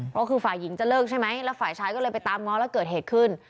ก็คือฝ่ายหญิงจะเลิกใช่ไหมแล้วฝ่ายชายก็เลยไปตามง้อแล้วเกิดเหตุขึ้น